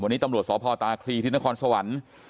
วันนี้ตำรวจสพตาคลีที่นครสวรรค์